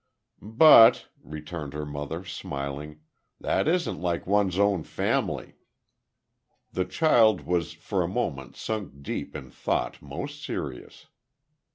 "But," returned her mother, smiling, "that isn't like one's own family." The child was for a moment sunk deep in thought most serious.